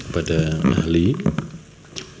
pada ahli pertanyaan utamanya atau pada pokoknya adalah